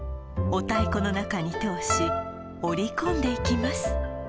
お太鼓の中に通し折り込んでいきます